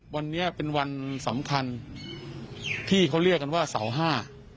วันนี้เป็นวันสำคัญที่เขาเรียกกันว่าเสาห้า